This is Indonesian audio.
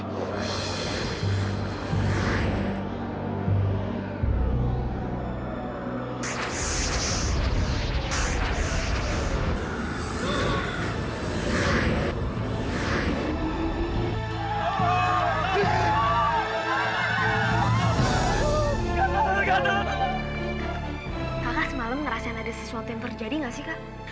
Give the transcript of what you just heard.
kakak semalam ngerasain ada sesuatu yang terjadi gak sih kak